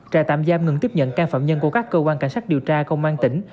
trại tạm giam ngừng tiếp nhận can phạm nhân của các cơ quan cảnh sát điều tra công an tỉnh